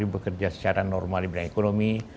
bekerja secara normal di bidang ekonomi